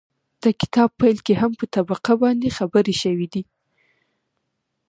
د کتاب پيل کې هم په طبقه باندې خبرې شوي دي